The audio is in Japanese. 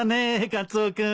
カツオ君。